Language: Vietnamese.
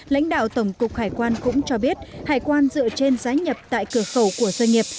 lãnh đạo tổng cục hải quan cũng cho biết hải quan dựa trên giá nhập tại cửa khẩu của doanh nghiệp